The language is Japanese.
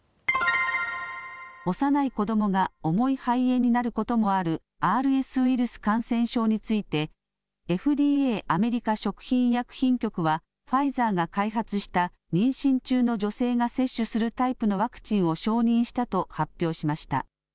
幼い子どもが重い肺炎になることもあるＲＳウイルス感染症についてＦＤＡ・アメリカ食品医薬品局はファイザーが開発した妊娠中の女性が接種するタイプのワクチンを承認したと発表しました。